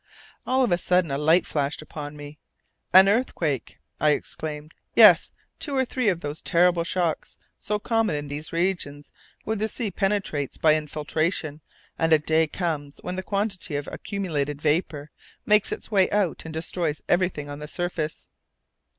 All of a sudden a light flashed upon me. "An earthquake!" I exclaimed. "Yes, two or three of those terrible shocks, so common in these regions where the sea penetrates by infiltration, and a day comes when the quantity of accumulated vapour makes its way out and destroys everything on the surface."